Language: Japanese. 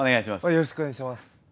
よろしくお願いします。